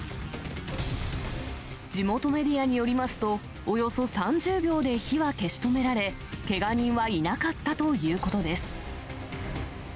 地元メディアによりますと、およそ３０秒で火は消し止められ、けが人はいなかったということです。